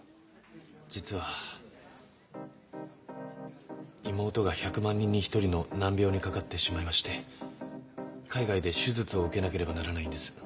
実は妹が１００万人に１人の難病にかかってしまいまして海外で手術を受けなければならないんです。